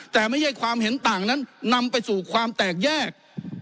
แต่ไม่ใช่ความเห็นต่างนั้นนำไปสู่ความแตกแยก